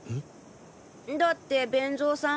だって勉造さん